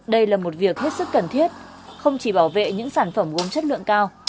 đây là một việc hết sức cần thiết không chỉ bảo vệ những sản phẩm gốm chất lượng cao